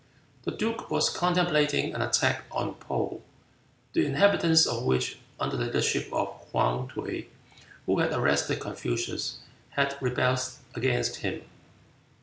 The duke was contemplating an attack on Poo, the inhabitants of which, under the leadership of Hwan T'uy, who had arrested Confucius, had rebelled against him.